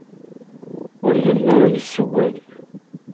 Ur yelli ara yessewway.